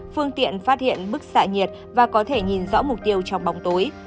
phương tiện phát hiện bức xạ nhiệt và có thể nhìn rõ mục tiêu trong bóng tối